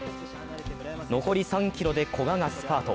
残り３ｋｍで古賀がスパート。